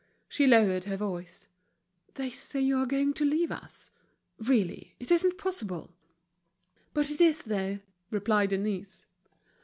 She lowered her voice: "They say you're going to leave us. Really, it isn't possible?" "But it is, though," replied Denise.